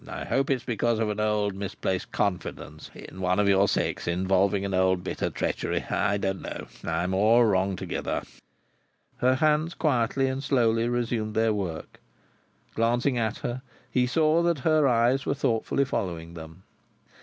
I hope it is because of an old misplaced confidence in one of your sex involving an old bitter treachery. I don't know. I am all wrong together." Her hands quietly and slowly resumed their work. Glancing at her, he saw that her eyes were thoughtfully following them.